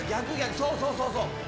そうそうそうそう。